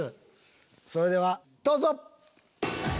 それではどうぞ！